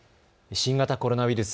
新型コロナウイルス。